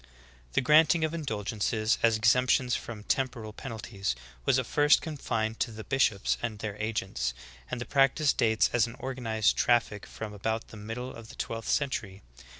13. The granting of indulgences as exemptions from temporal penalties was at first confined to the bishops and their agents, and the practice dates as an organized traffic from about the middle of the twelfth century.